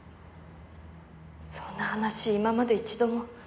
そんな話今まで一度も。